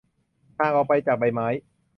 ห่างออกไปจากใบไม้